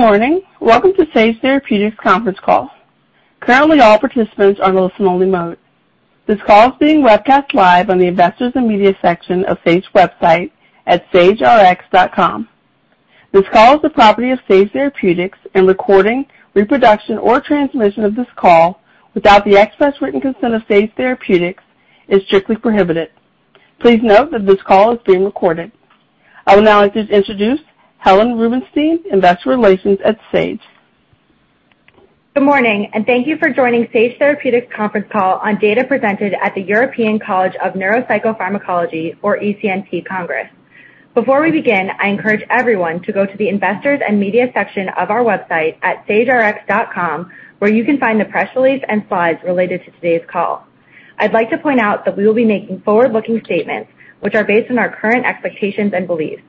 Good morning. Welcome to Sage Therapeutics conference call. This call is being webcast live on the Investors and Media section of Sage website at sagerx.com. This call is the property of Sage Therapeutics, and recording, reproduction, or transmission of this call without the express written consent of Sage Therapeutics is strictly prohibited. I would now like to introduce Helen Rubinstein, investor relations at Sage. Good morning, thank you for joining Sage Therapeutics conference call on data presented at the European College of Neuropsychopharmacology, or ECNP Congress. Before we begin, I encourage everyone to go to the Investors and Media section of our website at sagerx.com, where you can find the press release and slides related to today's call. I'd like to point out that we will be making forward-looking statements, which are based on our current expectations and beliefs.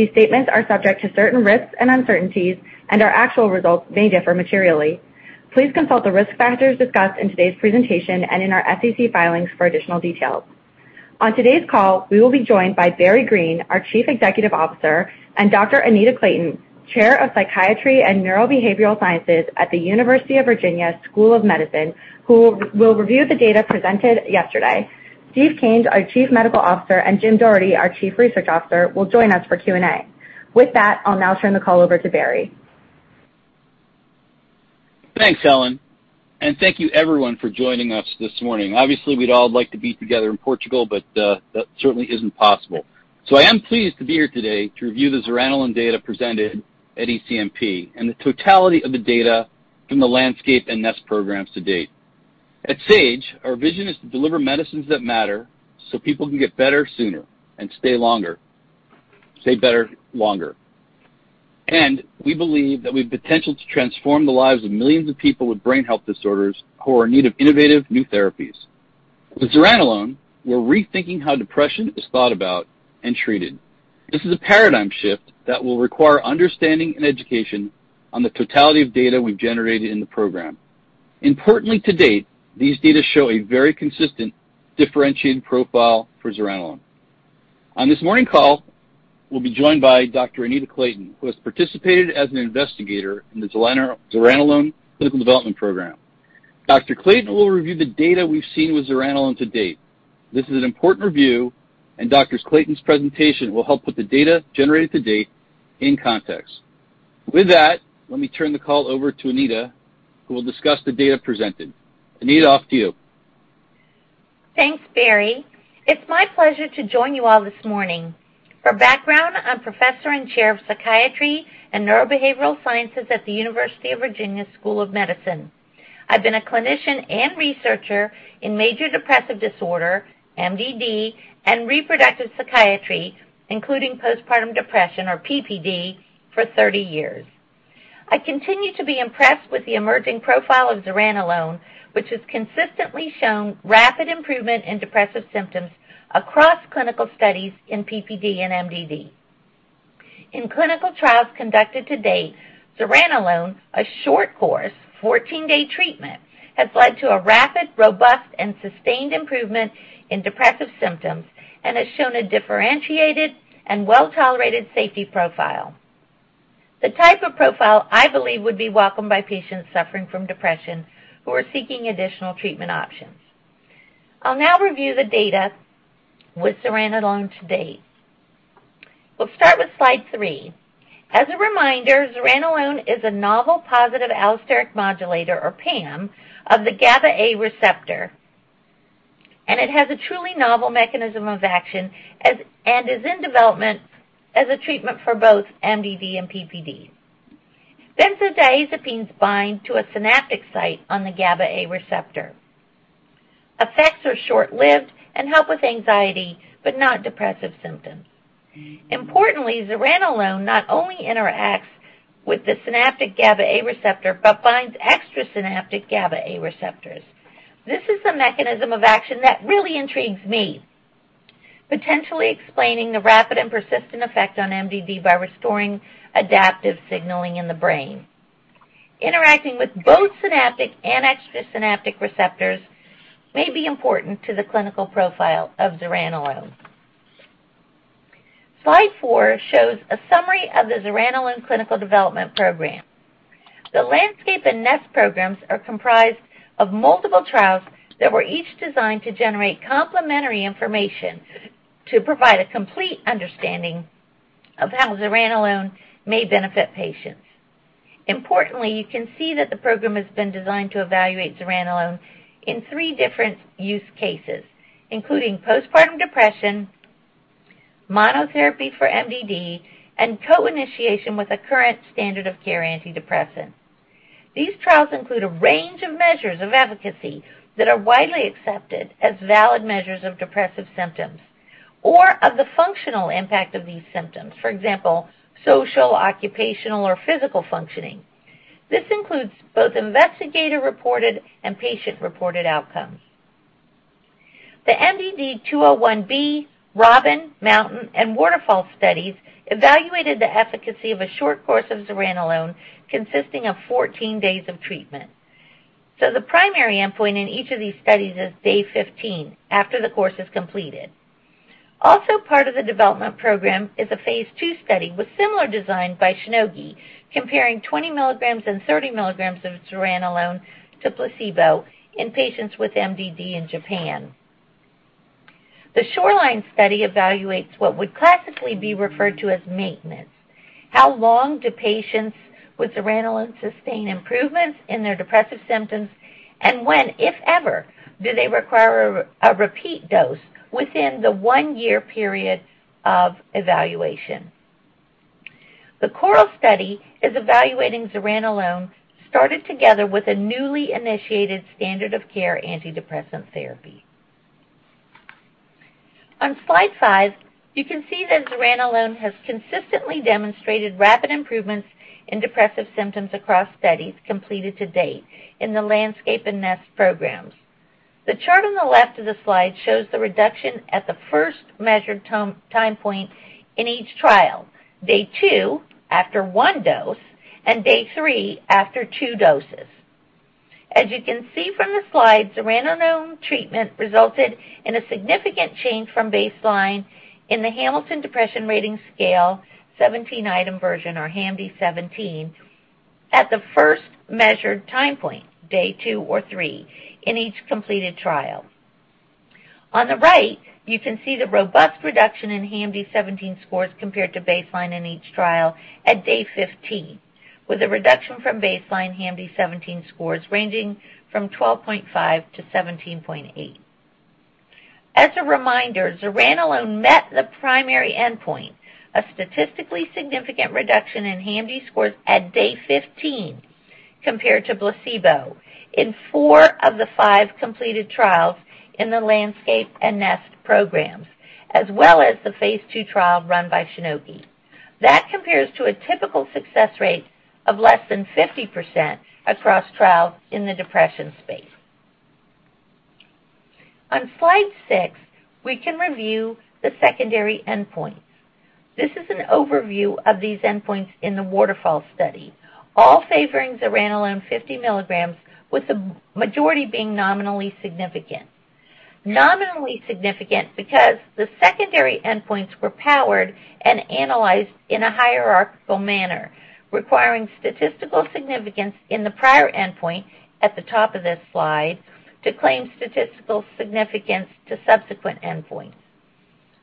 These statements are subject to certain risks and uncertainties, and our actual results may differ materially. Please consult the risk factors discussed in today's presentation and in our SEC filings for additional details. On today's call, we will be joined by Barry Greene, our Chief Executive Officer, and Dr. Anita Clayton, Chair of Psychiatry and Neurobehavioral Sciences at the University of Virginia School of Medicine, who will review the data presented yesterday. Stephen Kanes, our Chief Medical Officer, and Jim Doherty, our Chief Research Officer, will join us for Q&A. With that, I'll now turn the call over to Barry. Thanks, Helen. Thank you everyone for joining us this morning. Obviously, we'd all like to be together in Portugal, but that certainly isn't possible. I am pleased to be here today to review the zuranolone data presented at ECNP and the totality of the data from the LANDSCAPE and NEST programs to date. At Sage, our vision is to deliver medicines that matter so people can get better sooner and stay better longer. We believe that we have the potential to transform the lives of millions of people with brain health disorders who are in need of innovative new therapies. With zuranolone, we're rethinking how depression is thought about and treated. This is a paradigm shift that will require understanding and education on the totality of data we've generated in the program. Importantly, to date, these data show a very consistent, differentiated profile for zuranolone. On this morning call, we'll be joined by Dr. Anita Clayton, who has participated as an investigator in the zuranolone clinical development program. Dr. Clayton will review the data we've seen with zuranolone to date. This is an important review, and Dr. Clayton's presentation will help put the data generated to date in context. With that, let me turn the call over to Anita, who will discuss the data presented. Anita, off to you. Thanks, Barry. It's my pleasure to join you all this morning. For background, I'm professor and Chair of Psychiatry and Neurobehavioral Sciences at the University of Virginia School of Medicine. I've been a clinician and researcher in Major Depressive Disorder, MDD, and reproductive psychiatry, including Postpartum Depression, or PPD, for 30 years. I continue to be impressed with the emerging profile of zuranolone, which has consistently shown rapid improvement in depressive symptoms across clinical studies in PPD and MDD. In clinical trials conducted to date, zuranolone, a short course, 14-day treatment, has led to a rapid, robust, and sustained improvement in depressive symptoms and has shown a differentiated and well-tolerated safety profile. The type of profile I believe would be welcomed by patients suffering from depression who are seeking additional treatment options. I'll now review the data with zuranolone to date. We'll start with slide 3. As a reminder, zuranolone is a novel positive allosteric modulator, or PAM, of the GABA-A receptor, and it has a truly novel mechanism of action and is in development as a treatment for both MDD and PPD. Benzodiazepines bind to a synaptic site on the GABA-A receptor. Effects are short-lived and help with anxiety but not depressive symptoms. Importantly, zuranolone not only interacts with the synaptic GABA-A receptor but binds extrasynaptic GABA-A receptors. This is a mechanism of action that really intrigues me, potentially explaining the rapid and persistent effect on MDD by restoring adaptive signaling in the brain. Interacting with both synaptic and extrasynaptic receptors may be important to the clinical profile of zuranolone. Slide 4 shows a summary of the zuranolone clinical development program. The LANDSCAPE and NEST programs are comprised of multiple trials that were each designed to generate complementary information to provide a complete understanding of how zuranolone may benefit patients. Importantly, you can see that the program has been designed to evaluate zuranolone in 3 different use cases, including postpartum depression, monotherapy for MDD, and co-initiation with a current standard of care antidepressant. These trials include a range of measures of efficacy that are widely accepted as valid measures of depressive symptoms or of the functional impact of these symptoms, for example, social, occupational, or physical functioning. This includes both investigator-reported and patient-reported outcomes. The MDD-201B, ROBIN, MOUNTAIN, and WATERFALL studies evaluated the efficacy of a short course of zuranolone consisting of 14 days of treatment. The primary endpoint in each of these studies is day 15, after the course is completed. Also part of the development program is a phase II study with similar design by Shionogi comparing 20 milligrams and 30 milligrams of zuranolone to placebo in patients with MDD in Japan. The Shoreline study evaluates what would classically be referred to as maintenance. How long do patients with zuranolone sustain improvements in their depressive symptoms, and when, if ever, do they require a repeat dose within the one-year period of evaluation. The CORAL study is evaluating zuranolone started together with a newly initiated standard of care antidepressant therapy. On slide five, you can see that zuranolone has consistently demonstrated rapid improvements in depressive symptoms across studies completed to date in the LANDSCAPE and NEST programs. The chart on the left of the slide shows the reduction at the first measured time point in each trial, day 2 after 1 dose and day 3 after 2 doses. As you can see from the slide, zuranolone treatment resulted in a significant change from baseline in the Hamilton Depression Rating Scale 17-item version, or HAM-D17, at the first measured time point, day 2 or 3, in each completed trial. On the right, you can see the robust reduction in HAM-D17 scores compared to baseline in each trial at day 15, with a reduction from baseline HAM-D17 scores ranging from 12.5-17.8. As a reminder, zuranolone met the primary endpoint, a statistically significant reduction in HAM-D scores at day 15 compared to placebo in 4 of the 5 completed trials in the LANDSCAPE and NEST programs, as well as the phase II trial run by Shionogi. That compares to a typical success rate of less than 50% across trials in the depression space. On slide 6, we can review the secondary endpoints. This is an overview of these endpoints in the WATERFALL study, all favoring zuranolone 50 milligrams, with the majority being nominally significant. Nominally significant because the secondary endpoints were powered and analyzed in a hierarchical manner, requiring statistical significance in the prior endpoint at the top of this slide to claim statistical significance to subsequent endpoints.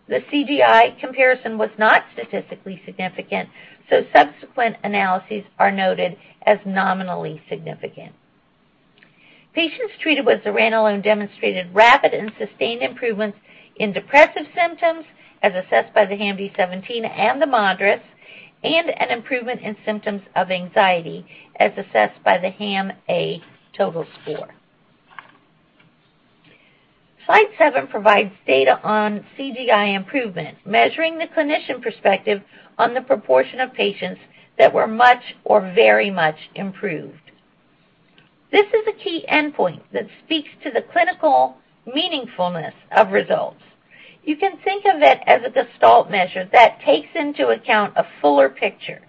The CGI comparison was not statistically significant, so subsequent analyses are noted as nominally significant. Patients treated with zuranolone demonstrated rapid and sustained improvements in depressive symptoms, as assessed by the HAM-D17 and the MADRS, and an improvement in symptoms of anxiety, as assessed by the HAM-A total score. Slide 7 provides data on CGI improvement, measuring the clinician perspective on the proportion of patients that were much or very much improved. This is a key endpoint that speaks to the clinical meaningfulness of results. You can think of it as a gestalt measure that takes into account a fuller picture,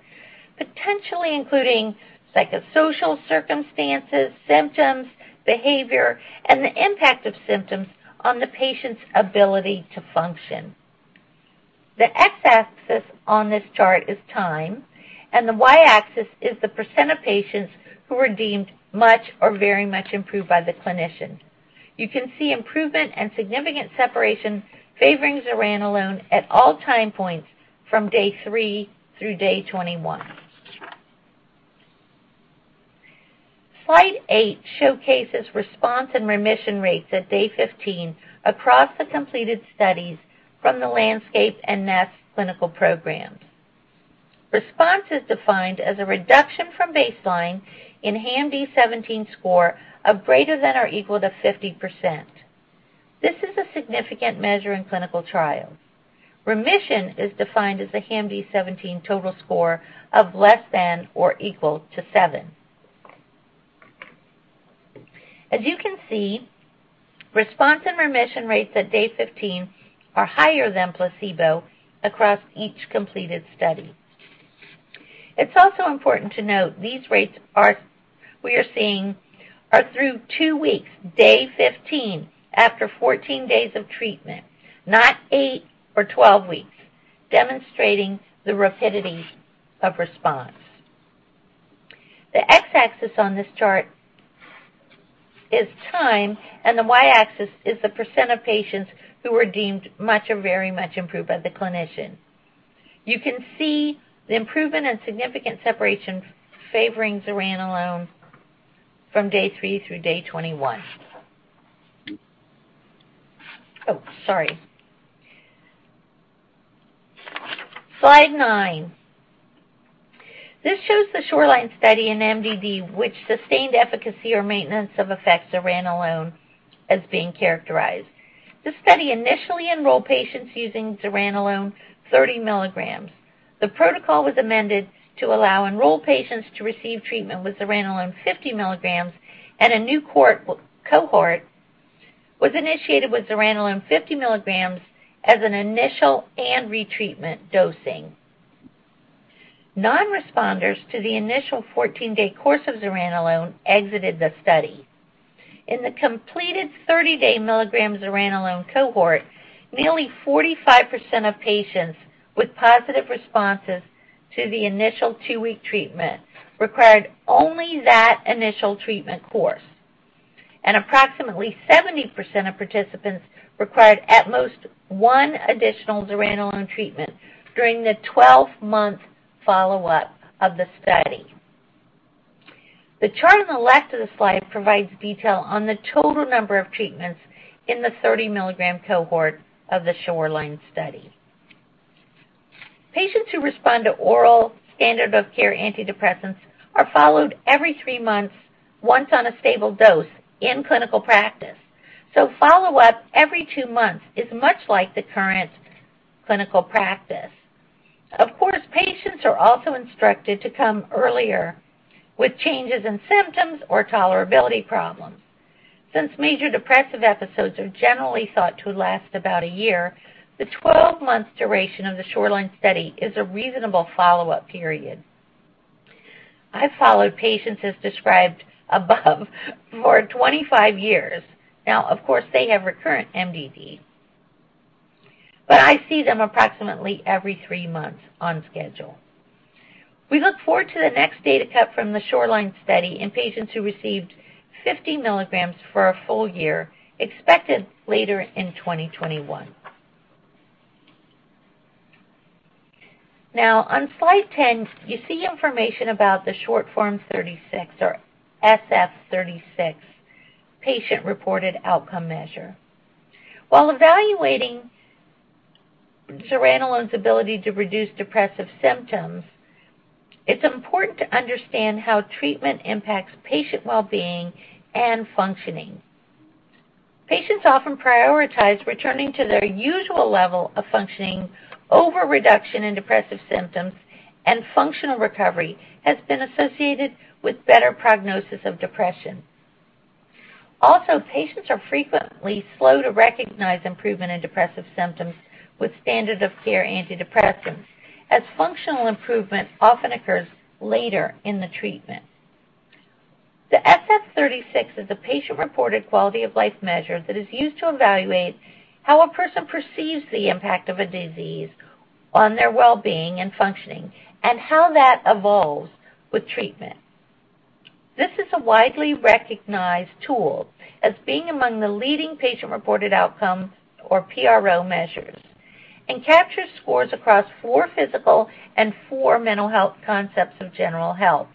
potentially including psychosocial circumstances, symptoms, behavior, and the impact of symptoms on the patient's ability to function. The X-axis on this chart is time, and the Y-axis is the % of patients who were deemed much or very much improved by the clinician. You can see improvement and significant separation favoring zuranolone at all time points from day 3 through day 21. Slide 8 showcases response and remission rates at day 15 across the completed studies from the LANDSCAPE and NEST clinical programs. Response is defined as a reduction from baseline in HAM-D17 score of greater than or equal to 50%. This is a significant measure in clinical trials. Remission is defined as a HAM-D17 total score of less than or equal to 7. As you can see, response and remission rates at day 15 are higher than placebo across each completed study. It's also important to note these rates we are seeing are through 2 weeks, day 15, after 14 days of treatment, not 8 or 12 weeks, demonstrating the rapidity of response. The X-axis on this chart is time, and the Y-axis is the % of patients who were deemed much or very much improved by the clinician. You can see the improvement and significant separation favoring zuranolone from day 3 through day 21. Sorry. Slide 9. This shows the Shoreline study in MDD, which sustained efficacy or maintenance of effect zuranolone is being characterized. The study initially enrolled patients using zuranolone 30 milligrams. The protocol was amended to allow enrolled patients to receive treatment with zuranolone 50 milligrams at a new cohort, was initiated with zuranolone 50 milligrams as an initial and retreatment dosing. Non-responders to the initial 14-day course of zuranolone exited the study. In the completed 30-day milligram zuranolone cohort, nearly 45% of patients with positive responses to the initial 2-week treatment required only that initial treatment course. Approximately 70% of participants required at most 1 additional zuranolone treatment during the 12-month follow-up of the study. The chart on the left of the slide provides detail on the total number of treatments in the 30-milligram cohort of the Shoreline study. Patients who respond to oral standard of care antidepressants are followed every 3 months once on a stable dose in clinical practice. Follow-up every 2 months is much like the current clinical practice. Of course, patients are also instructed to come earlier with changes in symptoms or tolerability problems. Since major depressive episodes are generally thought to last about a year, the 12-month duration of the SHORELINE study is a reasonable follow-up period. I followed patients as described above for 25 years. Of course, they have recurrent MDD, but I see them approximately every 3 months on schedule. We look forward to the next data cut from the SHORELINE study in patients who received 50 milligrams for a full year, expected later in 2021. On slide 10, you see information about the Short Form 36, or SF36 patient-reported outcome measure. While evaluating zuranolone's ability to reduce depressive symptoms, it's important to understand how treatment impacts patient well-being and functioning. Patients often prioritize returning to their usual level of functioning over a reduction in depressive symptoms, and functional recovery has been associated with a better prognosis of depression. Also, patients are frequently slow to recognize improvement in depressive symptoms with standard care antidepressants, as functional improvement often occurs later in the treatment. The SF-36 is a patient-reported quality of life measure that is used to evaluate how a person perceives the impact of a disease on their well-being and functioning, and how that evolves with treatment. This is a widely recognized tool as being among the leading patient-reported outcome, or PRO measures and captures scores across four physical and four mental health concepts of general health.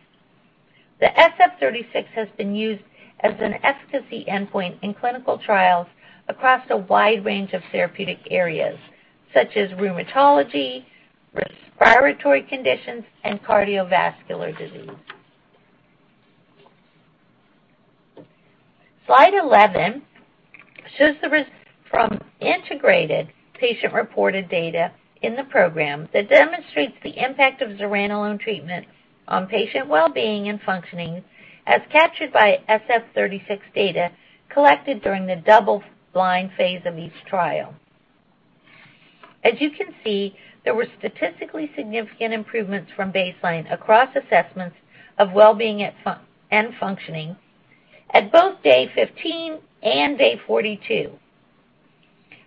The SF-36 has been used as an efficacy endpoint in clinical trials across a wide range of therapeutic areas such as rheumatology, respiratory conditions, and cardiovascular disease. Slide 11 shows the results from integrated patient-reported data in the program that demonstrates the impact of zuranolone treatment on patient well-being and functioning, as captured by SF-36 data collected during the double-blind phase of each trial. As you can see, there were statistically significant improvements from baseline across assessments of well-being and functioning at both day 15 and day 42.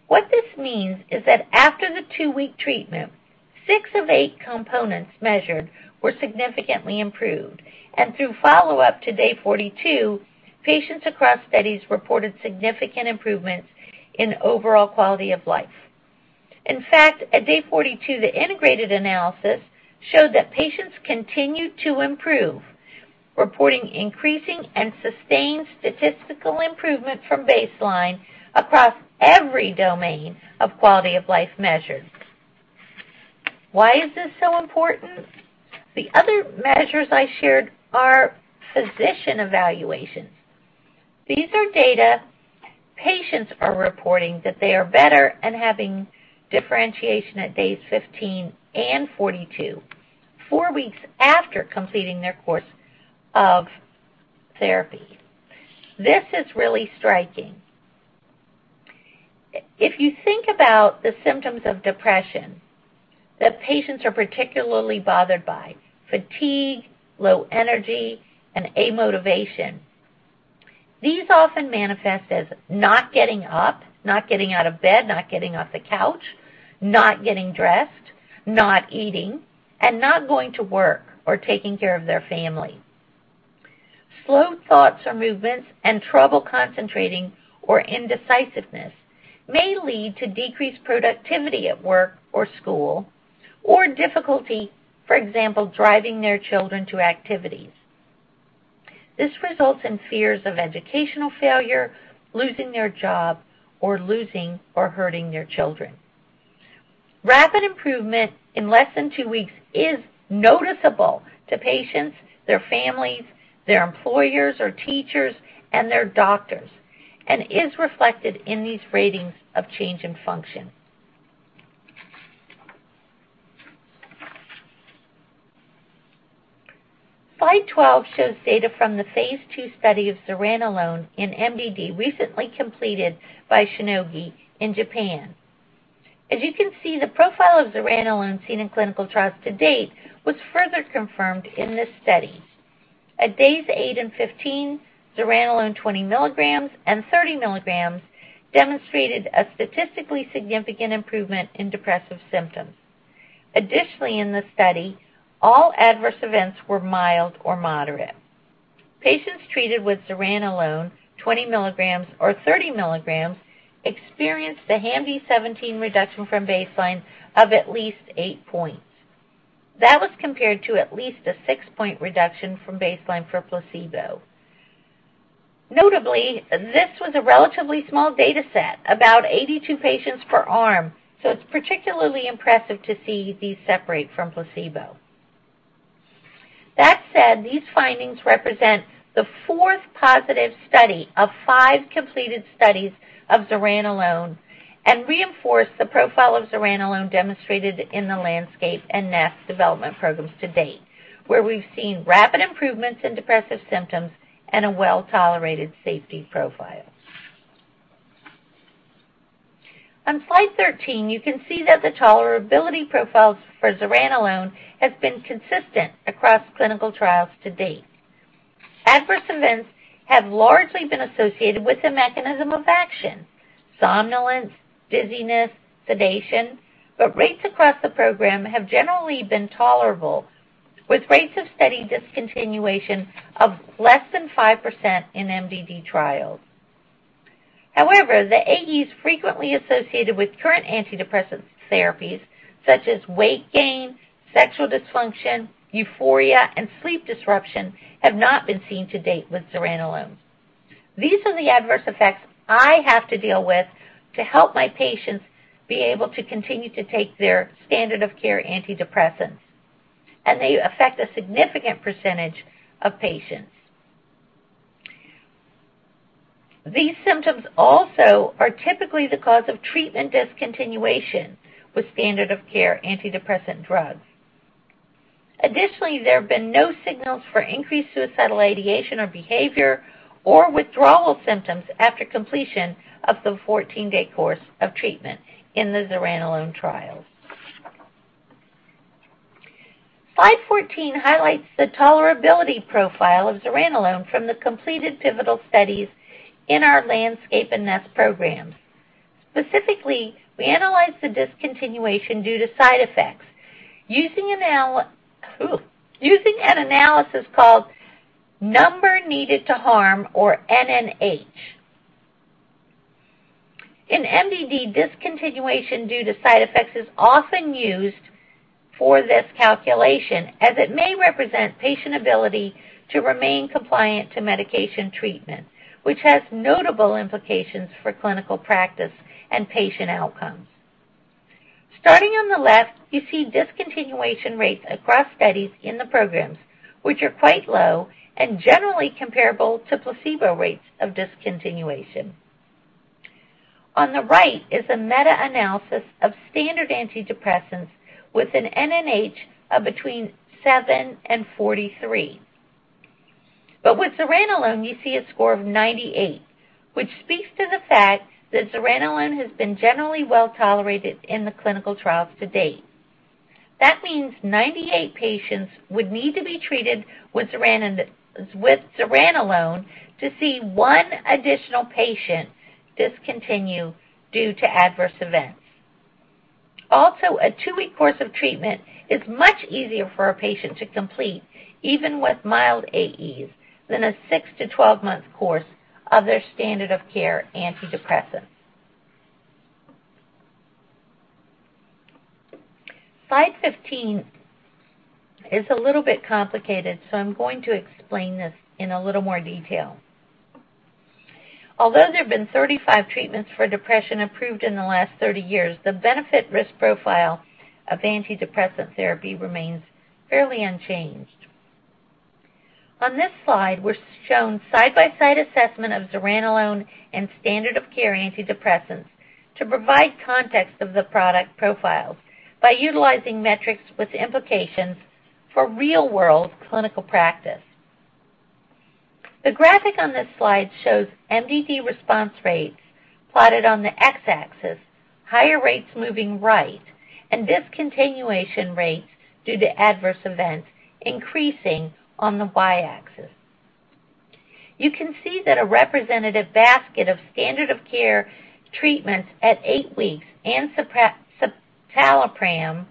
What this means is that after the two-week treatment, six of eight components measured were significantly improved, and through follow-up to day 42, patients across studies reported significant improvements in overall quality of life. In fact, at day 42, the integrated analysis showed that patients continued to improve, reporting increasing and sustained statistical improvement from baseline across every domain of quality of life measures. Why is this so important? The other measures I shared are physician evaluations. These are data patients are reporting that they are better and having differentiation at days 15 and 42, 4 weeks after completing their course of therapy. This is really striking. If you think about the symptoms of depression that patients are particularly bothered by, fatigue, low energy, and amotivation. These often manifest as not getting up, not getting out of bed, not getting off the couch, not getting dressed, not eating, and not going to work or taking care of their family. Slow thoughts or movements and trouble concentrating or indecisiveness may lead to decreased productivity at work or school, or difficulty, for example, driving their children to activities. This results in fears of educational failure, losing their job, or losing or hurting their children. Rapid improvement in less than 2 weeks is noticeable to patients, their families, their employers or teachers, and their doctors, and is reflected in these ratings of change in function. Slide 12 shows data from the phase II study of zuranolone in MDD, recently completed by Shionogi in Japan. As you can see, the profile of zuranolone seen in clinical trials to date was further confirmed in this study. At days 8 and 15, zuranolone 20 milligrams and 30 milligrams demonstrated a statistically significant improvement in depressive symptoms. Additionally, in this study, all adverse events were mild or moderate. Patients treated with zuranolone 20 milligrams or 30 milligrams experienced a HAM-D17 reduction from baseline of at least 8 points. That was compared to at least a 6-point reduction from baseline for placebo. Notably, this was a relatively small data set, about 82 patients per arm, so it is particularly impressive to see these separate from placebo. That said, these findings represent the fourth positive study of 5 completed studies of zuranolone and reinforce the profile of zuranolone demonstrated in the LANDSCAPE and NEST development programs to date, where we have seen rapid improvements in depressive symptoms and a well-tolerated safety profile. On slide 13, you can see that the tolerability profiles for zuranolone has been consistent across clinical trials to date. Adverse events have largely been associated with the mechanism of action, somnolence, dizziness, sedation, but rates across the program have generally been tolerable, with rates of study discontinuation of less than 5% in MDD trials. However, the AEs frequently associated with current antidepressant therapies, such as weight gain, sexual dysfunction, euphoria, and sleep disruption, have not been seen to date with zuranolone. These are the adverse effects I have to deal with to help my patients be able to continue to take their standard of care antidepressants, and they affect a significant percentage of patients. These symptoms also are typically the cause of treatment discontinuation with standard of care antidepressant drugs. Additionally, there have been no signals for increased suicidal ideation or behavior or withdrawal symptoms after completion of the 14-day course of treatment in the zuranolone trials. Slide 14 highlights the tolerability profile of zuranolone from the completed pivotal studies in our LANDSCAPE and NEST programs. Specifically, we analyzed the discontinuation due to side effects using an analysis called Number Needed to Harm or NNH. In MDD, discontinuation due to side effects is often used for this calculation, as it may represent patient ability to remain compliant to medication treatment, which has notable implications for clinical practice and patient outcomes. Starting on the left, you see discontinuation rates across studies in the programs, which are quite low and generally comparable to placebo rates of discontinuation. On the right is a meta-analysis of standard antidepressants with an NNH of between 7 and 43. With zuranolone, you see a score of 98, which speaks to the fact that zuranolone has been generally well-tolerated in the clinical trials to date. That means 98 patients would need to be treated with zuranolone to see 1 additional patient discontinue due to adverse events. A 2-week course of treatment is much easier for a patient to complete, even with mild AEs, than a 6 to 12-month course of their standard of care antidepressants. Slide 15 is a little bit complicated, so I'm going to explain this in a little more detail. Although there have been 35 treatments for depression approved in the last 30 years, the benefit risk profile of antidepressant therapy remains fairly unchanged. On this slide, we're shown side-by-side assessment of zuranolone and standard of care antidepressants to provide context of the product profiles by utilizing metrics with implications for real-world clinical practice. The graphic on this slide shows MDD response rates plotted on the X-axis, higher rates moving right, and discontinuation rates due to adverse events increasing on the Y-axis. You can see that a representative basket of standard of care treatments at 8 weeks and citalopram,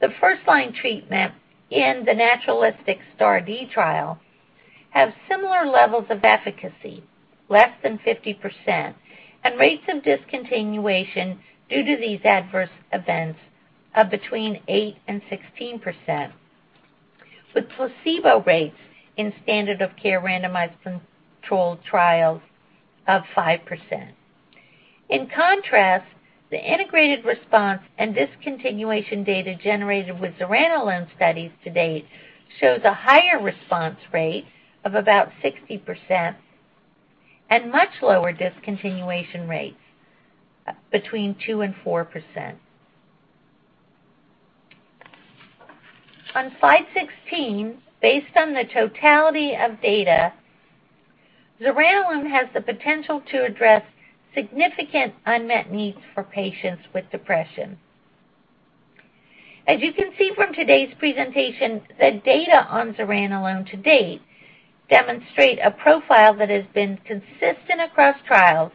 the first line treatment in the naturalistic STAR*D trial, have similar levels of efficacy, less than 50%, and rates of discontinuation due to these adverse events of between 8% and 16%, with placebo rates in standard of care randomized controlled trials of 5%. In contrast, the integrated response and discontinuation data generated with zuranolone studies to date shows a higher response rate of about 60% and much lower discontinuation rates, between 2% and 4%. On slide 16, based on the totality of data, zuranolone has the potential to address significant unmet needs for patients with depression. As you can see from today's presentation, the data on zuranolone to date demonstrate a profile that has been consistent across trials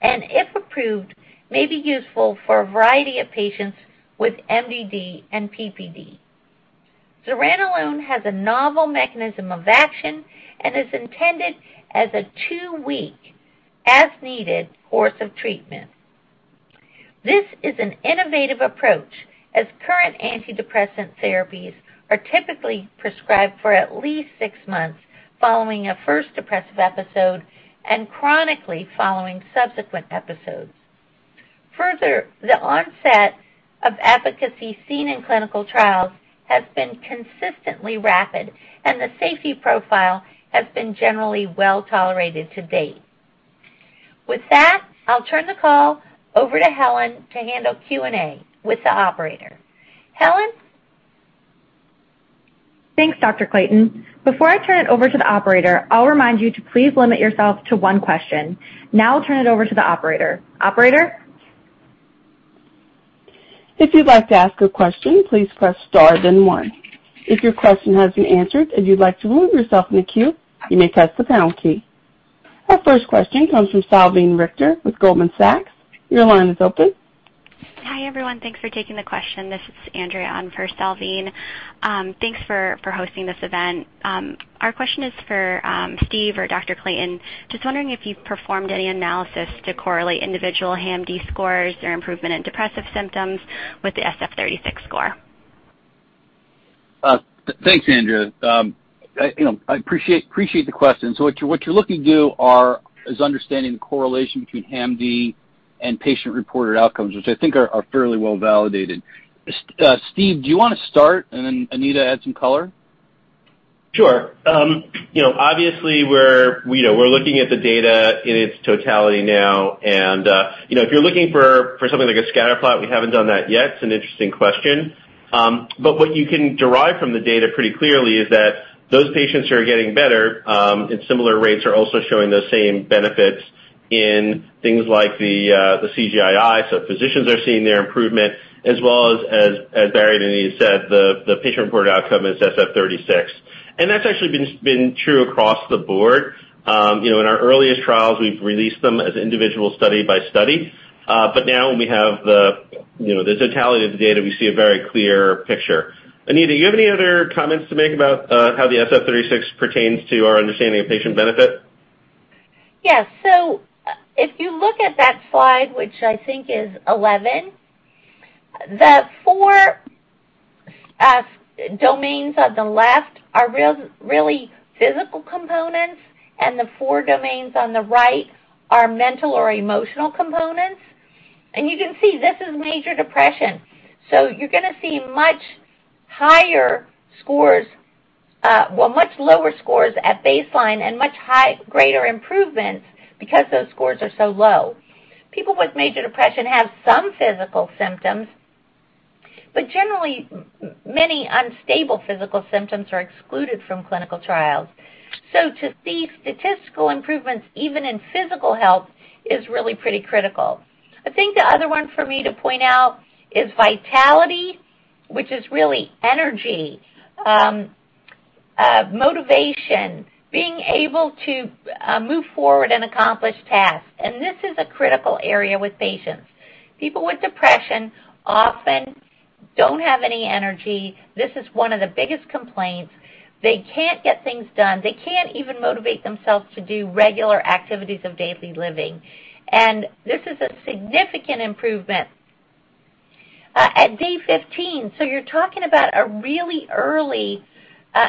and, if approved, may be useful for a variety of patients with MDD and PPD. Zuranolone has a novel mechanism of action and is intended as a two-week, as-needed course of treatment. This is an innovative approach, as current antidepressant therapies are typically prescribed for at least six months following a first depressive episode and chronically following subsequent episodes. The onset of efficacy seen in clinical trials has been consistently rapid, and the safety profile has been generally well-tolerated to date. With that, I'll turn the call over to Helen to handle Q&A with the operator. Helen? Thanks, Dr. Clayton. Before I turn it over to the operator, I'll remind you to please limit yourself to one question. Now I'll turn it over to the operator. Operator? If you'd like to ask a question, please press star then one. If your question has been answered and you'd like to remove yourself from the queue, you may press the pound key. Our first question comes from Salveen Richter with Goldman Sachs. Your line is open. Hi, everyone. Thanks for taking the question. This is Andrea on for Salveen. Thanks for hosting this event. Our question is for Steve or Dr. Clayton. Just wondering if you've performed any analysis to correlate individual HAM-D scores or improvement in depressive symptoms with the SF-36 score. Thanks, Andrea. I appreciate the question. What you're looking to do is understanding the correlation between HAM-D and patient-reported outcomes, which I think are fairly well-validated. Steve, do you want to start and then Anita add some color? Sure. Obviously, we're looking at the data in its totality now, If you're looking for something like a scatter plot, we haven't done that yet. It's an interesting question. What you can derive from the data pretty clearly is that those patients who are getting better in similar rates are also showing those same benefits in things like the CGI-I, Physicians are seeing their improvement as well as Barry and Anita said, the patient-reported outcome is SF-36. That's actually been true across the board. In our earliest trials, we've released them as individual study by study. Now we have the totality of the data, we see a very clear picture. Anita, do you have any other comments to make about how the SF-36 pertains to our understanding of patient benefit? Yes. If you look at that slide, which I think is 11, the 4 domains on the left are really physical components, and the 4 domains on the right are mental or emotional components. You can see this is major depression. You're going to see much lower scores at baseline and much greater improvements because those scores are so low. People with major depression have some physical symptoms, but generally, many unstable physical symptoms are excluded from clinical trials. To see statistical improvements even in physical health is really pretty critical. I think the other 1 for me to point out is vitality, which is really energy, motivation, being able to move forward and accomplish tasks. This is a critical area with patients. People with depression often don't have any energy. This is 1 of the biggest complaints. They can't get things done. They can't even motivate themselves to do regular activities of daily living. This is a significant improvement at day 15. You're talking about a really early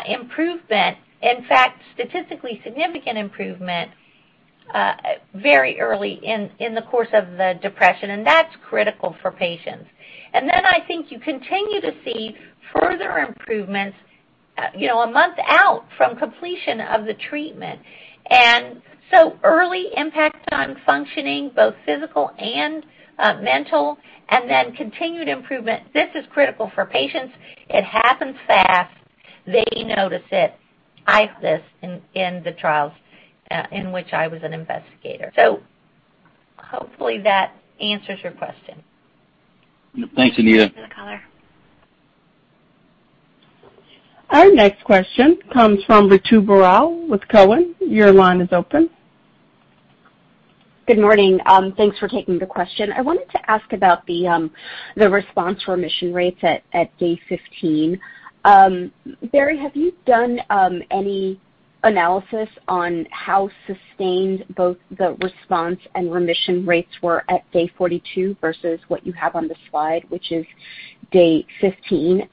improvement. In fact, statistically significant improvement very early in the course of the depression, and that's critical for patients. I think you continue to see further improvements a month out from completion of the treatment. Early impact on functioning, both physical and mental, then continued improvement. This is critical for patients. It happens fast. They notice it. I saw this in the trials, in which I was an investigator. Hopefully that answers your question. Thanks, Anita. Thanks for the color. Our next question comes from Ritu Baral with Cowen. Your line is open. Good morning. Thanks for taking the question. I wanted to ask about the response remission rates at day 15. Barry, have you done any analysis on how sustained both the response and remission rates were at day 42 versus what you have on the slide, which is day 15?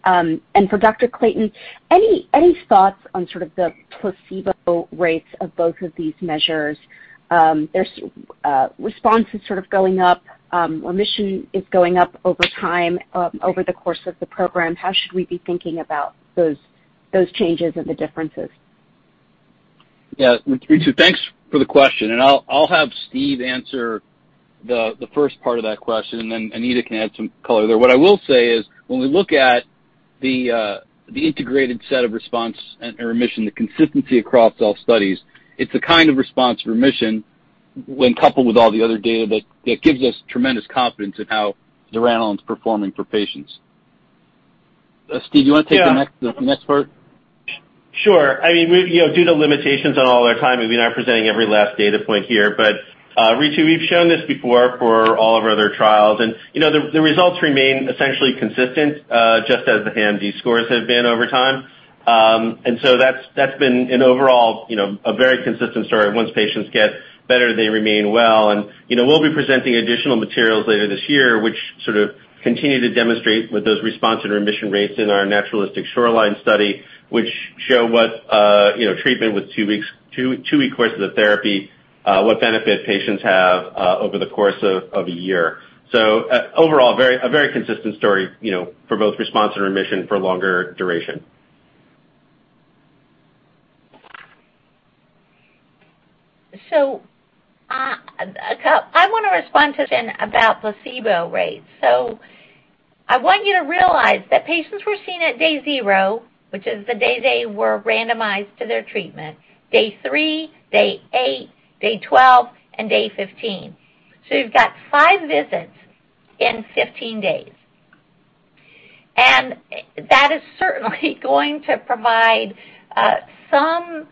For Dr. Clayton, any thoughts on sort of the placebo rates of both of these measures? Response is sort of going up. Remission is going up over time, over the course of the program. How should we be thinking about those changes and the differences? Ritu, thanks for the question, and I'll have Steve answer the first part of that question, and then Anita can add some color there. What I will say is, when we look at the integrated set of response and remission, the consistency across all studies, it's the kind of response remission when coupled with all the other data that gives us tremendous confidence in how zuranolone's performing for patients. Steve, you want to take the next part? Sure. Due to limitations on all our time, we're not presenting every last data point here. Ritu, we've shown this before for all of our other trials, and the results remain essentially consistent, just as the HAM-D scores have been over time. That's been an overall very consistent story. Once patients get better, they remain well. We'll be presenting additional materials later this year, which sort of continue to demonstrate with those response and remission rates in our naturalistic SHORELINE study, which show what treatment with two-week courses of therapy, what benefit patients have over the course of a year. Overall, a very consistent story for both response and remission for longer duration. I want to respond to something about placebo rates. I want you to realize that patients were seen at day 0, which is the day they were randomized to their treatment, day 3, day 8, day 12, and day 15. You've got 5 visits in 15 days. That is certainly going to provide some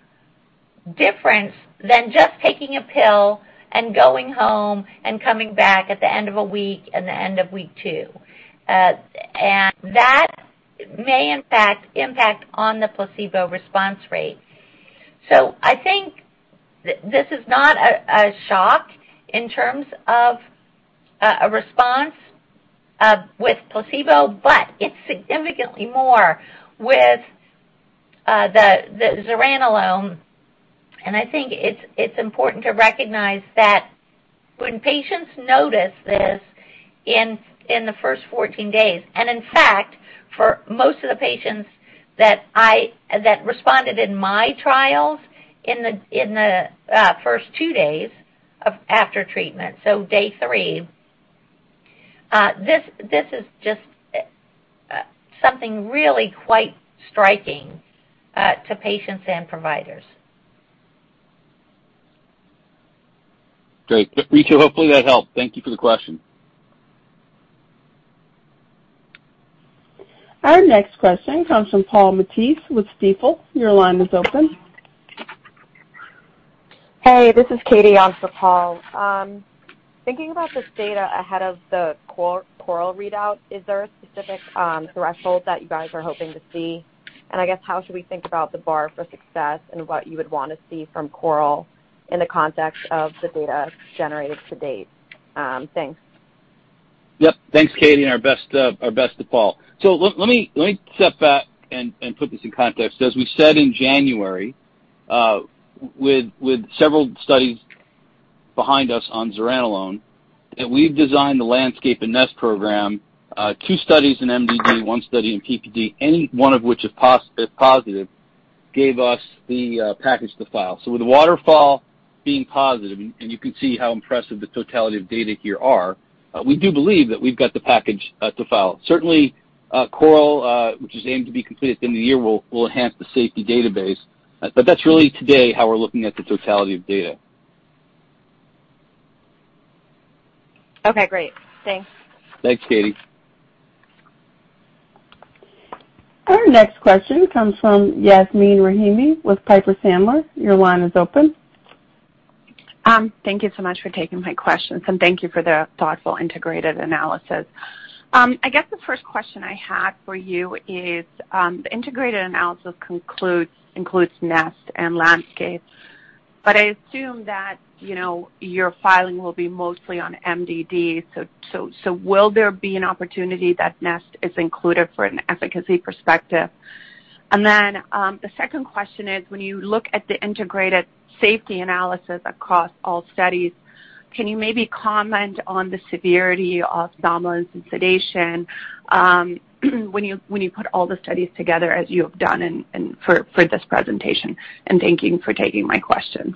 difference than just taking a pill and going home and coming back at the end of 1 week and the end of week 2. That may, in fact, impact on the placebo response rate. I think this is not a shock in terms of a response with placebo, but it's significantly more with the zuranolone. I think it's important to recognize that when patients notice this in the first 14 days, and in fact, for most of the patients that responded in my trials in the first two days after treatment, so day three, this is just something really quite striking to patients and providers. Great. Ritu, hopefully that helped. Thank you for the question. Our next question comes from Paul Matteis with Stifel. Your line is open. Hey, this is Katie on for Paul. Thinking about this data ahead of the CORAL readout, is there a specific threshold that you guys are hoping to see? I guess how should we think about the bar for success and what you would want to see from CORAL in the context of the data generated to date? Thanks. Yep. Thanks, Katie, and our best to Paul. Let me step back and put this in context. As we said in January, with several studies behind us on zuranolone, that we've designed the LANDSCAPE and NEST program, 2 studies in MDD, 1 study in PPD, any 1 of which is positive, gave us the package to file. With WATERFALL being positive, and you can see how impressive the totality of data here are, we do believe that we've got the package to file. Certainly, CORAL, which is aimed to be completed at the end of the year, will enhance the safety database. That's really today how we're looking at the totality of data. Okay, great. Thanks. Thanks, Katie. Our next question comes from Yasmeen Rahimi with Piper Sandler. Your line is open. Thank you so much for taking my questions, and thank you for the thoughtful integrated analysis. I guess the first question I had for you is, the integrated analysis includes NEST and LANDSCAPE. I assume that your filing will be mostly on MDD. Will there be an opportunity that NEST is included for an efficacy perspective? The second question is, when you look at the integrated safety analysis across all studies, can you maybe comment on the severity of somnolence and sedation when you put all the studies together as you have done for this presentation? Thank you for taking my questions.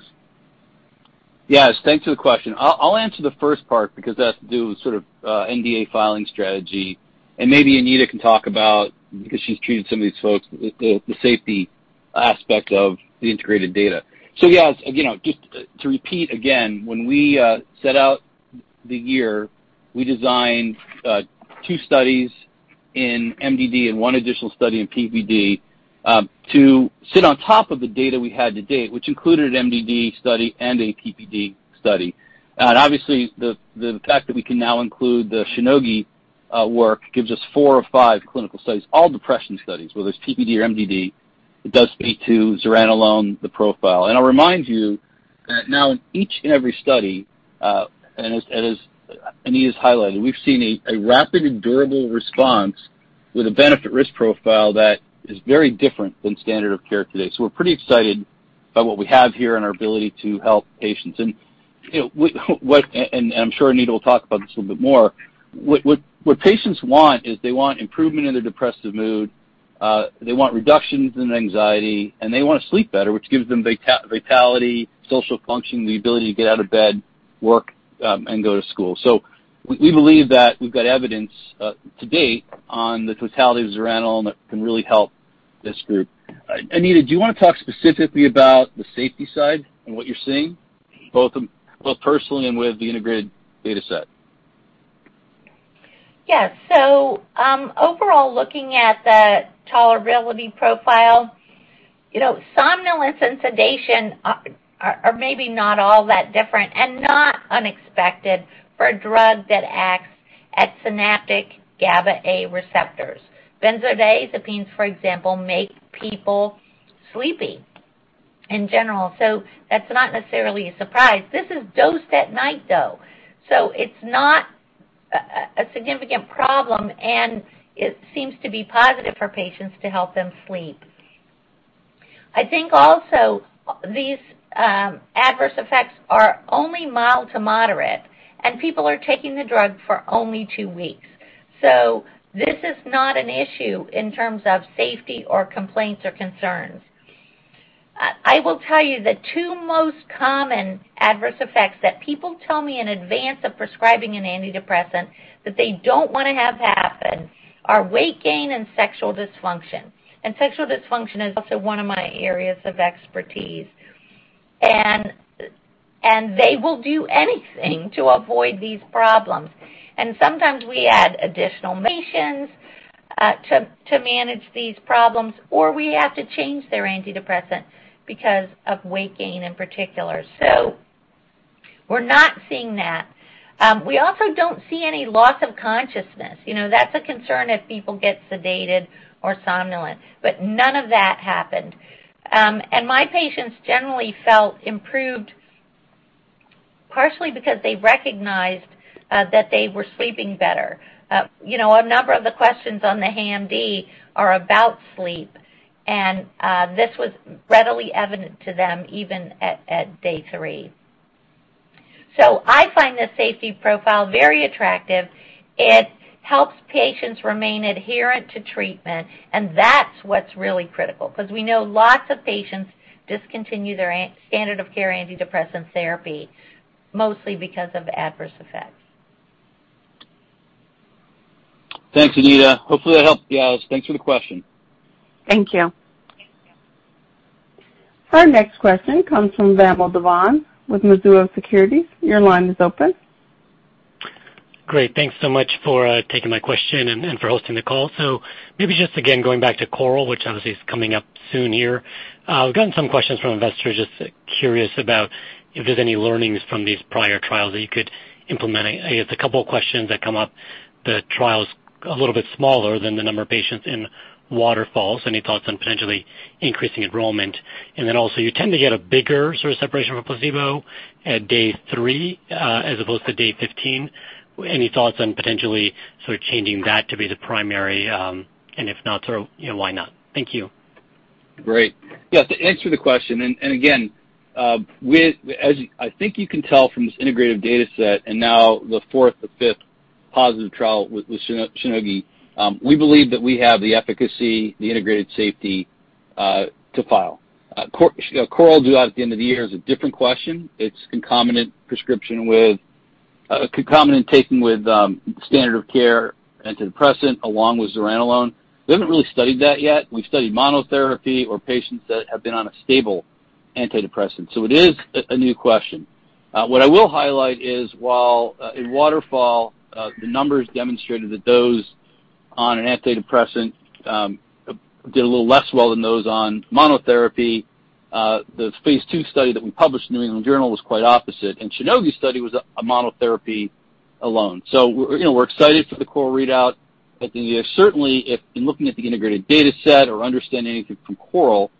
Yes, thanks for the question. I'll answer the first part because that's to do with sort of NDA filing strategy. Maybe Anita can talk about, because she's treated some of these folks, the safety aspect of the integrated data. Yes, just to repeat again, when we set out the year, we designed 2 studies in MDD and 1 additional study in PPD to sit on top of the data we had to date, which included an MDD study and a PPD study. Obviously, the fact that we can now include the Shionogi work gives us 4 of 5 clinical studies, all depression studies, whether it's PPD or MDD. It does speak to zuranolone, the profile. I'll remind you that now in each and every study, as Anita's highlighted, we've seen a rapid and durable response with a benefit risk profile that is very different than standard of care today. We're pretty excited by what we have here and our ability to help patients. I'm sure Anita will talk about this a little bit more. What patients want is they want improvement in their depressive mood, they want reductions in anxiety, and they want to sleep better, which gives them vitality, social function, the ability to get out of bed, work, and go to school. We believe that we've got evidence to date on the totality of zuranolone that can really help this group. Anita, do you want to talk specifically about the safety side and what you're seeing, both personally and with the integrated data set? Yes. Overall, looking at the tolerability profile, somnolence and sedation are maybe not all that different and not unexpected for a drug that acts at synaptic GABA-A receptors. Benzodiazepines, for example, make people sleepy in general. That's not necessarily a surprise. This is dosed at night, though. It's not a significant problem, and it seems to be positive for patients to help them sleep. I think also these adverse effects are only mild to moderate, and people are taking the drug for only two weeks. This is not an issue in terms of safety or complaints or concerns. I will tell you the two most common adverse effects that people tell me in advance of prescribing an antidepressant that they don't want to have happen are weight gain and sexual dysfunction. Sexual dysfunction is also one of my areas of expertise. They will do anything to avoid these problems. Sometimes we add additional medications to manage these problems, or we have to change their antidepressant because of weight gain in particular. We're not seeing that. We also don't see any loss of consciousness. That's a concern if people get sedated or somnolent. None of that happened. My patients generally felt improved partially because they recognized that they were sleeping better. A number of the questions on the HAM-D are about sleep, and this was readily evident to them even at day 3. I find the safety profile very attractive. It helps patients remain adherent to treatment, and that's what's really critical because we know lots of patients discontinue their standard of care antidepressant therapy, mostly because of adverse effects. Thanks, Anita. Hopefully, that helps, Gaz. Thanks for the question. Thank you. Our next question comes from Vamil Divan with Mizuho Securities. Your line is open. Great. Thanks so much for taking my question and for hosting the call. Maybe just again going back to CORAL, which obviously is coming up soon here. I've gotten some questions from investors just curious about if there's any learnings from these prior trials that you could implement. I guess a couple of questions that come up. The trial's a little bit smaller than the number of patients in WATERFALL. Any thoughts on potentially increasing enrollment? Also you tend to get a bigger sort of separation from placebo at day 3 as opposed to day 15. Any thoughts on potentially sort of changing that to be the primary? If not, why not? Thank you. Great. Yeah. To answer the question, again, as I think you can tell from this integrated data set and now the fourth or fifth positive trial with Shionogi, we believe that we have the efficacy, the integrated safety to file. CORAL due out at the end of the year is a different question. It's concomitant taking with standard of care antidepressant along with zuranolone. We haven't really studied that yet. We've studied monotherapy or patients that have been on a stable antidepressant. It is a new question. What I will highlight is while in WATERFALL, the numbers demonstrated that those on an antidepressant did a little less well than those on monotherapy. The phase II study that we published in The New England Journal was quite opposite, Shionogi's study was a monotherapy alone. We're excited for the CORAL readout. Certainly, if in looking at the integrated data set or understanding from CORAL,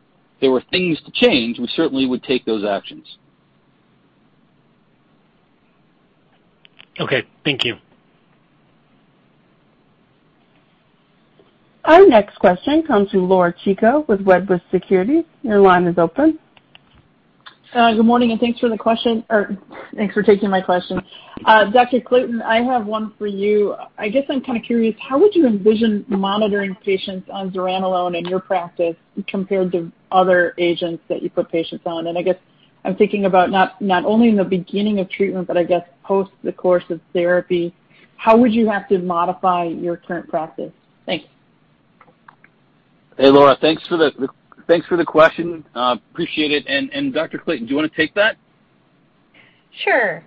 there were things to change, we certainly would take those actions. Okay. Thank you. Our next question comes from Laura Chico with Wedbush Securities. Your line is open. Good morning, and thanks for taking my question. Dr. Clayton, I have one for you. I guess I'm kind of curious, how would you envision monitoring patients on zuranolone in your practice compared to other agents that you put patients on? I guess I'm thinking about not only in the beginning of treatment, but I guess post the course of therapy. How would you have to modify your current practice? Thanks. Hey, Laura. Thanks for the question. Appreciate it. Dr. Clayton, do you want to take that? Sure.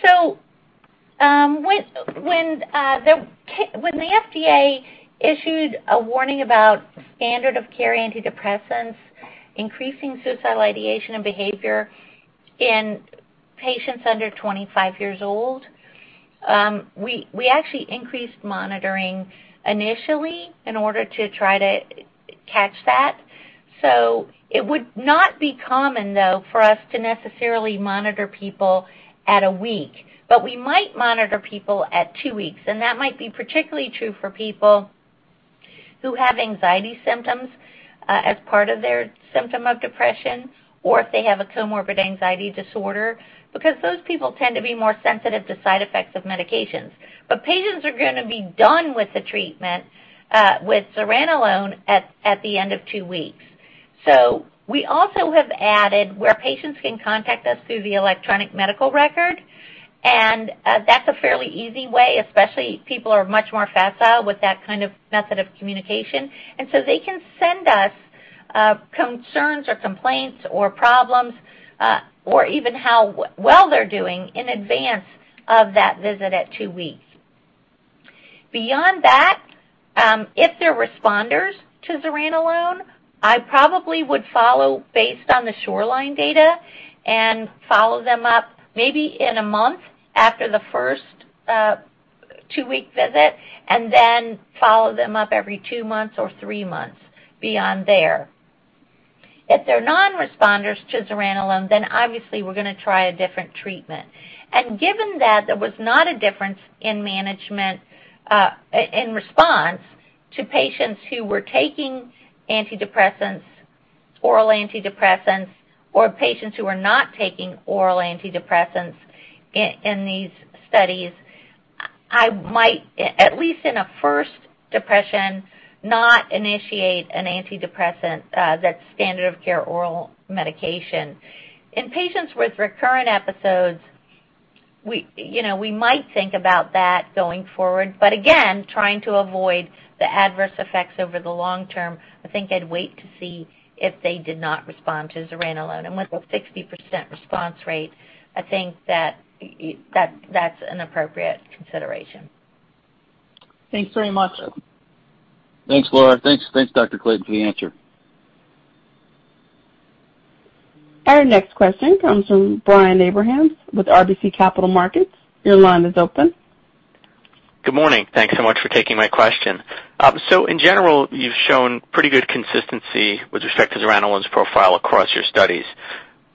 When the FDA issued a warning about standard of care antidepressants increasing suicidal ideation and behavior in patients under 25 years old, we actually increased monitoring initially in order to try to catch that. We might monitor people at 1 week. We might monitor people at 2 weeks, and that might be particularly true for people who have anxiety symptoms as part of their symptom of depression, or if they have a comorbid anxiety disorder, because those people tend to be more sensitive to side effects of medications. Patients are going to be done with the treatment with zuranolone at the end of 2 weeks. We also have added where patients can contact us through the electronic medical record, and that's a fairly easy way, especially people are much more facile with that kind of method of communication. They can send us concerns or complaints or problems, or even how well they're doing in advance of that visit at 2 weeks. Beyond that, if they're responders to zuranolone, I probably would follow based on the SHORELINE data and follow them up maybe in a month after the first 2-week visit, and then follow them up every 2 months or 3 months beyond there. If they're non-responders to zuranolone, then obviously we're going to try a different treatment. Given that there was not a difference in response to patients who were taking oral antidepressants or patients who are not taking oral antidepressants in these studies, I might, at least in a first depression, not initiate an antidepressant that's standard of care oral medication. In patients with recurrent episodes, we might think about that going forward, but again, trying to avoid the adverse effects over the long term. I think I'd wait to see if they did not respond to zuranolone. With a 60% response rate, I think that's an appropriate consideration. Thanks very much. Thanks, Laura. Thanks, Dr. Clayton, for the answer. Our next question comes from Brian Abrahams with RBC Capital Markets. Your line is open. Good morning. Thanks so much for taking my question. In general, you've shown pretty good consistency with respect to zuranolone's profile across your studies.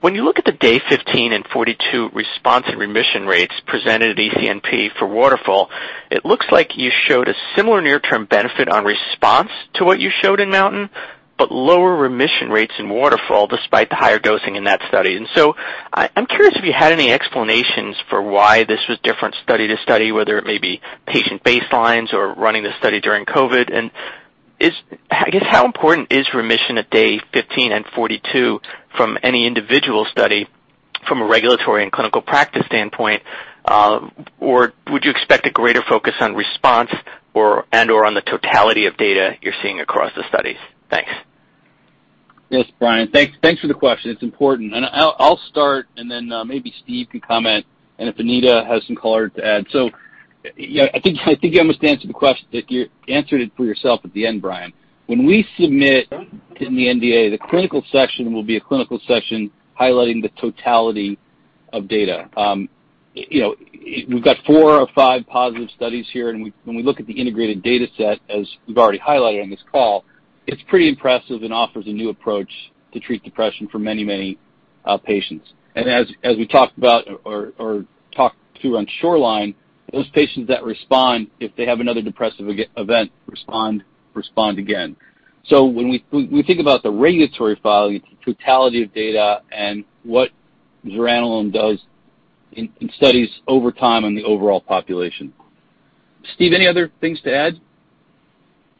When you look at the day 15 and 42 response and remission rates presented at ECNP for WATERFALL, it looks like you showed a similar near-term benefit on response to what you showed in MOUNTAIN, but lower remission rates in WATERFALL despite the higher dosing in that study. I'm curious if you had any explanations for why this was different study to study, whether it may be patient baselines or running the study during COVID. I guess how important is remission at day 15 and 42 from any individual study from a regulatory and clinical practice standpoint? Would you expect a greater focus on response and/or on the totality of data you're seeing across the studies? Thanks. Yes, Brian. Thanks for the question. It's important. I'll start and then maybe Steve can comment, and if Anita has some color to add. I think you almost answered it for yourself at the end, Brian. When we submit in the NDA, the clinical section will be a clinical section highlighting the totality of data. We've got four or five positive studies here, and when we look at the integrated data set, as we've already highlighted on this call, it's pretty impressive and offers a new approach to treat depression for many, many patients. As we talked about or talked to on Shoreline, those patients that respond, if they have another depressive event, respond again. When we think about the regulatory filing, it's the totality of data and what zuranolone does in studies over time on the overall population. Steve, any other things to add?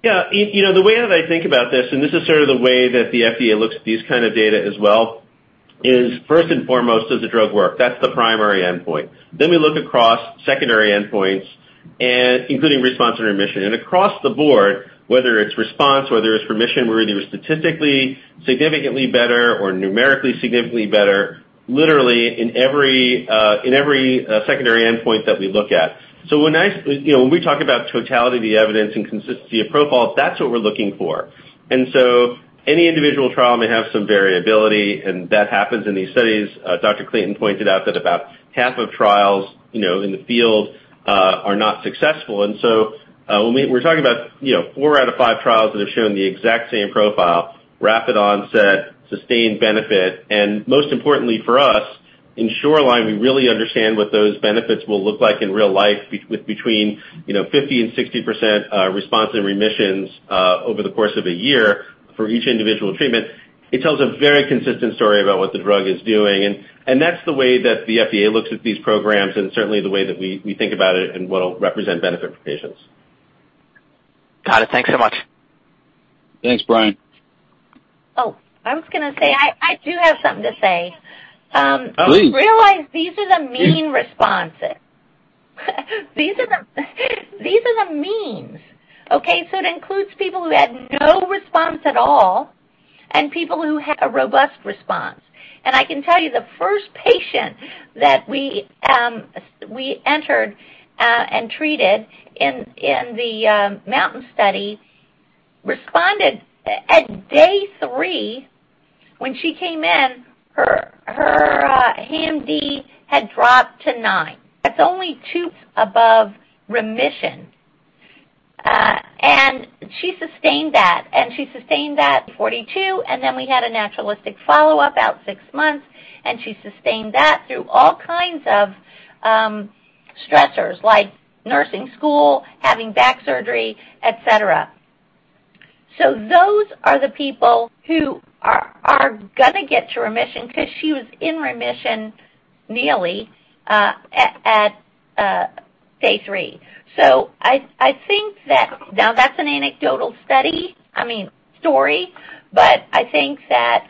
Yeah. The way that I think about this is sort of the way that the FDA looks at these kind of data as well, is first and foremost, does the drug work? That's the primary endpoint. We look across secondary endpoints, including response and remission. Across the board, whether it's response, whether it's remission, we're either statistically significantly better or numerically significantly better, literally in every secondary endpoint that we look at. When we talk about totality of the evidence and consistency of profile, that's what we're looking for. Any individual trial may have some variability, and that happens in these studies. Dr. Clayton pointed out that about half of trials in the field are not successful. When we're talking about 4 out of 5 trials that have shown the exact same profile, rapid onset, sustained benefit, and most importantly for us in Shoreline, we really understand what those benefits will look like in real life with between 50%-60% response and remissions over the course of 1 year for each individual treatment. It tells a very consistent story about what the drug is doing. That's the way that the FDA looks at these programs and certainly the way that we think about it and what will represent benefit for patients. Got it. Thanks so much. Thanks, Brian. Oh, I was going to say, I do have something to say. Please. Realize these are the mean responses. These are the means. Okay. It includes people who had no response at all and people who had a robust response. I can tell you the first patient that we entered and treated in the MOUNTAIN study responded at day three. When she came in, her HAM-D had dropped to nine. That's only two above remission. She sustained that. She sustained that at 42. We had a naturalistic follow-up about six months. She sustained that through all kinds of stressors like nursing school, having back surgery, et cetera. Those are the people who are going to get to remission because she was in remission nearly at day three. I think that, now that's an anecdotal story, but I think that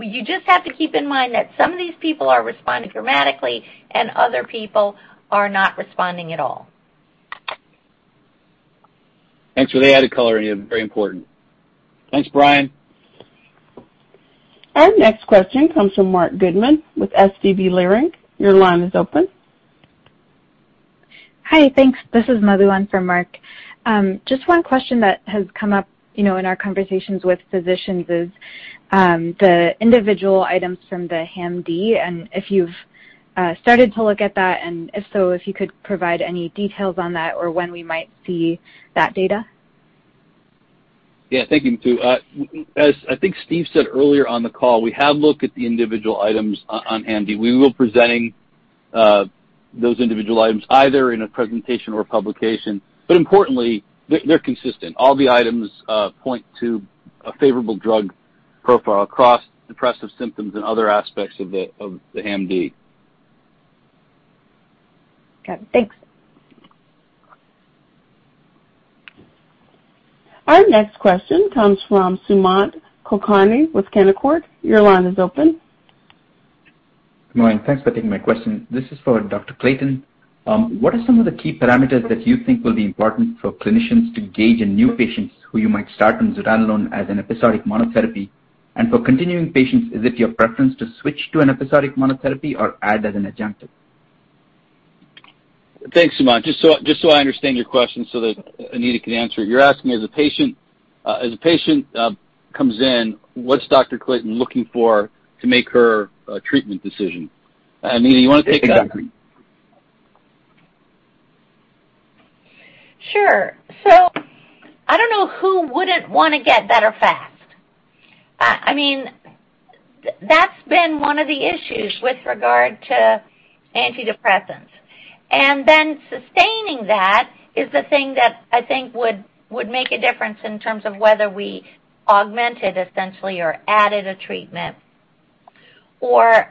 you just have to keep in mind that some of these people are responding dramatically and other people are not responding at all. Thanks for the added color, Anita. Very important. Thanks, Brian. Our next question comes from Marc Goodman with SVB Leerink. Your line is open. Hi. Thanks. This is Madhu Yennawar for Marc Goodman. Just one question that has come up in our conversations with physicians is the individual items from the HAM-D, and if you've started to look at that, and if so, if you could provide any details on that or when we might see that data. Yeah. Thank you, Madhu. As I think Stephen said earlier on the call, we have looked at the individual items on HAM-D. We will be presenting those individual items either in a presentation or a publication. Importantly, they're consistent. All the items point to a favorable drug profile across depressive symptoms and other aspects of the HAM-D. Got it. Thanks. Our next question comes from Sumant Kulkarni with Canaccord. Your line is open. Good morning. Thanks for taking my question. This is for Dr. Clayton. What are some of the key parameters that you think will be important for clinicians to gauge in new patients who you might start on zuranolone as an episodic monotherapy? For continuing patients, is it your preference to switch to an episodic monotherapy or add as an adjunctive? Thanks, Sumant. Just so I understand your question so that Anita can answer it. You're asking, as a patient comes in, what's Dr. Clayton looking for to make her treatment decision? Anita, you want to take that? Sure. I don't know who wouldn't want to get better fast. That's been one of the issues with regard to antidepressants. Sustaining that is the thing that I think would make a difference in terms of whether we augmented essentially or added a treatment, or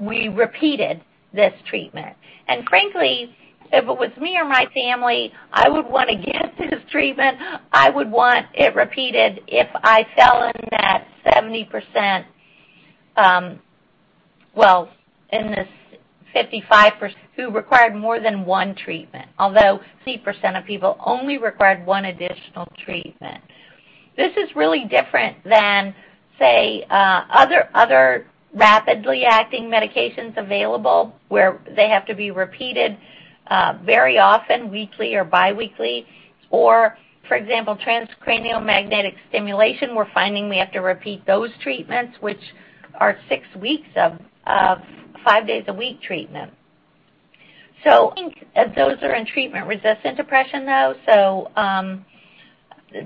we repeated this treatment. Frankly, if it was me or my family, I would want to get this treatment. I would want it repeated if I fell in that 70%, well, in this 55% who required more than one treatment, although 3% of people only required one additional treatment. This is really different than, say, other rapidly acting medications available, where they have to be repeated very often, weekly or biweekly, or, for example, transcranial magnetic stimulation. We're finding we have to repeat those treatments, which are six weeks of five days a week treatment. I think those are in treatment-resistant depression, though.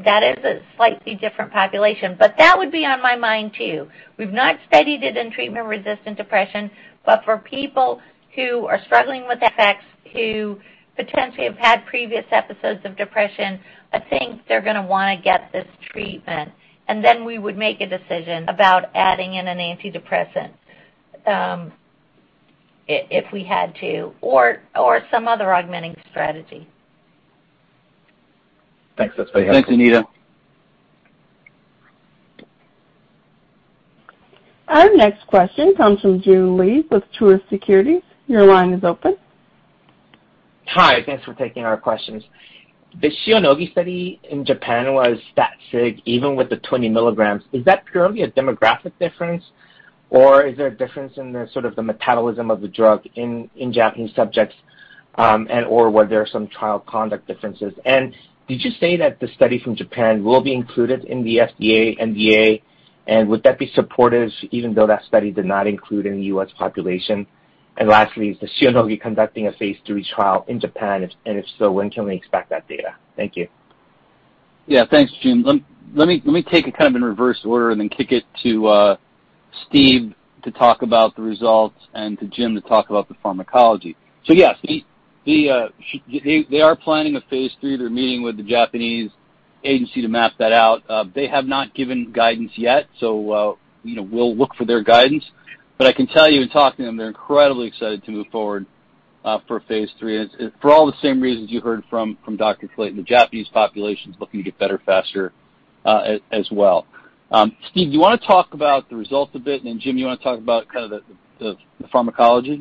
That is a slightly different population, but that would be on my mind too. We've not studied it in treatment-resistant depression, but for people who are struggling with effects, who potentially have had previous episodes of depression, I think they're going to want to get this treatment. We would make a decision about adding in an antidepressant, if we had to, or some other augmenting strategy. Thanks. That's very helpful. Thanks, Anita. Our next question comes from Joon Lee with Truist Securities. Your line is open. Hi. Thanks for taking our questions. The Shionogi study in Japan was stat sig even with the 20 milligrams. Is that purely a demographic difference, or is there a difference in the sort of the metabolism of the drug in Japanese subjects, and/or were there some trial conduct differences? Did you say that the study from Japan will be included in the FDA NDA, and would that be supportive even though that study did not include any U.S. population? Lastly, is Shionogi conducting a phase III trial in Japan, and if so, when can we expect that data? Thank you. Thanks, Joon. Let me take it kind of in reverse order and then kick it to Steve to talk about the results and to Jim to talk about the pharmacology. Yes, they are planning a phase III. They're meeting with the Japanese agency to map that out. They have not given guidance yet, we'll look for their guidance. I can tell you in talking to them, they're incredibly excited to move forward for phase III. For all the same reasons you heard from Dr. Clayton, the Japanese population is looking to get better faster as well. Steve, do you want to talk about the results a bit, and then Jim, you want to talk about the pharmacology?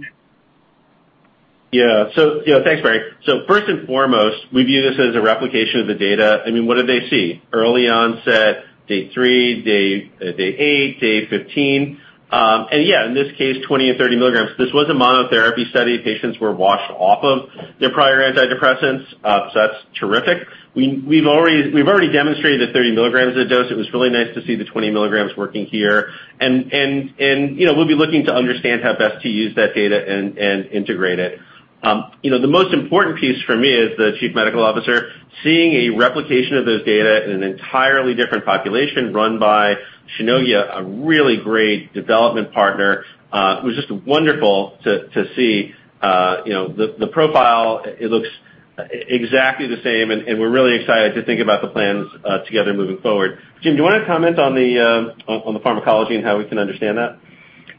Yeah. Thanks, Barry. First and foremost, we view this as a replication of the data. What did they see? Early onset, day 3, day 8, day 15. Yeah, in this case, 20 and 30 milligrams. This was a monotherapy study. Patients were washed off of their prior antidepressants. That's terrific. We've already demonstrated the 30 milligrams of dose. It was really nice to see the 20 milligrams working here. We'll be looking to understand how best to use that data and integrate it. The most important piece for me as the Chief Medical Officer, seeing a replication of those data in an entirely different population run by Shionogi, a really great development partner. It was just wonderful to see the profile. It looks exactly the same, and we're really excited to think about the plans together moving forward. Jim, do you want to comment on the pharmacology and how we can understand that?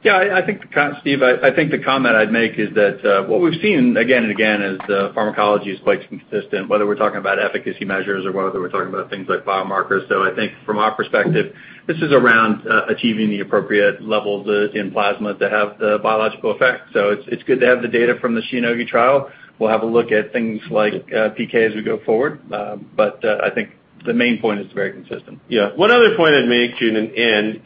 Yeah. Steve, I think the comment I'd make is that what we've seen again and again is the pharmacology is quite consistent, whether we're talking about efficacy measures or whether we're talking about things like biomarkers. I think from our perspective, this is around achieving the appropriate levels in plasma to have the biological effect. It's good to have the data from the Shionogi trial. We'll have a look at things like PK as we go forward. I think the main point is very consistent. One other point I'd make, Joon,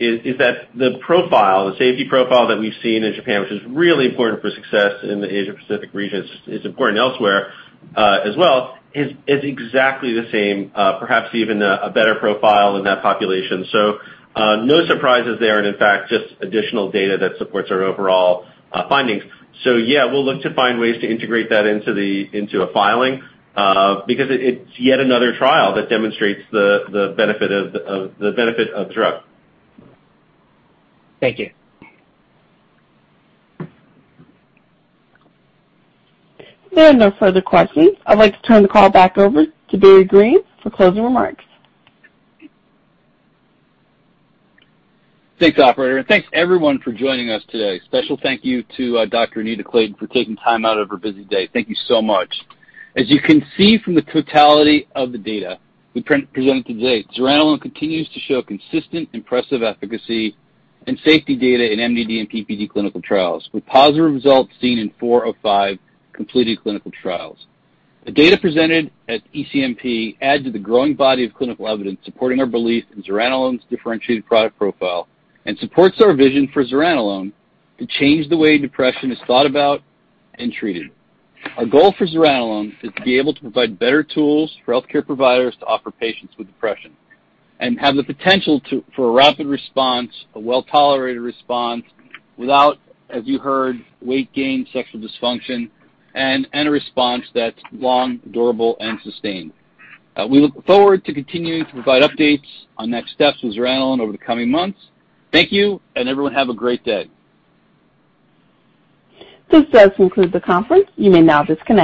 is that the profile, the safety profile that we've seen in Japan, which is really important for success in the Asia-Pacific region, it's important elsewhere as well, is exactly the same, perhaps even a better profile in that population. No surprises there, and in fact, just additional data that supports our overall findings. We'll look to find ways to integrate that into a filing because it's yet another trial that demonstrates the benefit of the drug. Thank you. There are no further questions. I'd like to turn the call back over to Barry Greene for closing remarks. Thanks, operator. Thanks, everyone, for joining us today. Special thank you to Dr. Anita Clayton for taking time out of her busy day. Thank you so much. As you can see from the totality of the data we presented today, zuranolone continues to show consistent, impressive efficacy and safety data in MDD and PPD clinical trials, with positive results seen in 4 of 5 completed clinical trials. The data presented at ECNP add to the growing body of clinical evidence supporting our belief in zuranolone's differentiated product profile and supports our vision for zuranolone to change the way depression is thought about and treated. Our goal for zuranolone is to be able to provide better tools for healthcare providers to offer patients with depression and have the potential for a rapid response, a well-tolerated response without, as you heard, weight gain, sexual dysfunction, and a response that's long, durable, and sustained. We look forward to continuing to provide updates on next steps with zuranolone over the coming months. Thank you, and everyone, have a great day. This does conclude the conference. You may now disconnect.